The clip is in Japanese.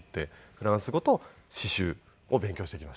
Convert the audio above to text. フランス語と刺繍を勉強してきました。